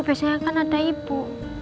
biasanya kan ada ibu